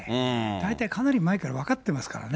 大体かなり前から分かってますからね。